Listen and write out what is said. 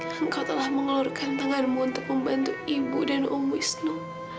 engkau telah mengeluarkan tanganmu untuk membantu ibu dan om wisnu